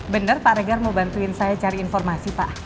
benar pak regar mau bantuin saya cari informasi pak